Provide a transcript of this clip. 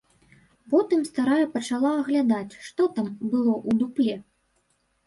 Потым старая пачала аглядаць, што там было ў дупле.